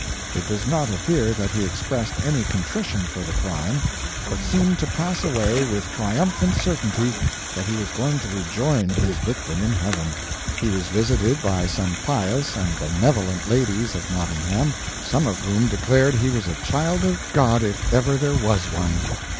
It does not appear that he expressed any contrition for the crime, but seemed to pass away with triumphant certainty that he was going to rejoin his victim in heaven. He was visited by some pious and benevolent ladies of Nottingham, some of whom declared he was a child of God, if ever there was one.